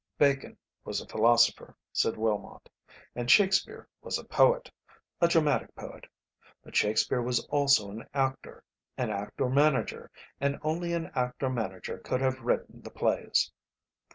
"Bacon was a philosopher," said Willmott, "and Shakespeare was a poet a dramatic poet; but Shakespeare was also an actor, an actor manager, and only an actor manager could have written the plays."